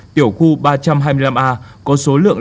tiểu khu ba trăm hai mươi năm a có số lượng